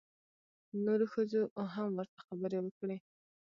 نورو ښځو هم ورته خبرې وکړې.